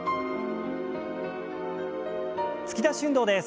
突き出し運動です。